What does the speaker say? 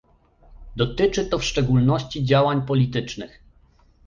Dotyczy to w szczególności działań politycznych